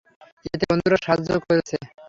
এতে বন্ধুরা সাহায্য করেছে।